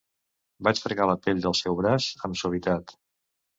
Vaig fregar la pell del seu braç, amb suavitat.